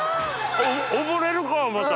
溺れるか思うた！